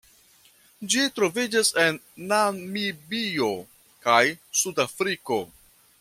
Ĝi troviĝas en Namibio kaj Sudafriko.